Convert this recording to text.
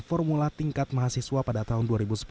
formula tingkat mahasiswa pada tahun dua ribu sepuluh